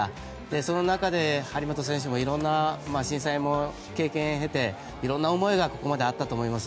その中で張本選手も色んな震災も経験を経て色んな思いがここまであったと思います。